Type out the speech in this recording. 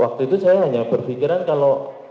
waktu itu saya hanya berpikiran kalau